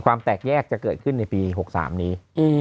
ความแตกแยกจะเกิดขึ้นในปี๖๓นี้